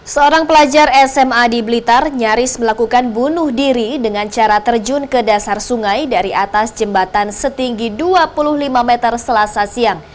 seorang pelajar sma di blitar nyaris melakukan bunuh diri dengan cara terjun ke dasar sungai dari atas jembatan setinggi dua puluh lima meter selasa siang